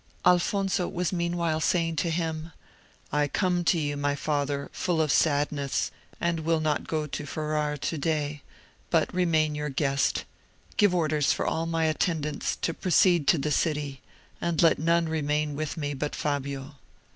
Alfonso was meanwhile saying to him, "I come to you, my father, full of sadness, and will not go to Ferrara to day, but remain your guest; give orders for all my attendants to proceed to the city, and let none remain with me but Fabio."